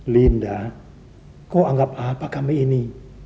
linda kok anggap apa kami ini